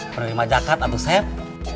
penerima zakat aduh seth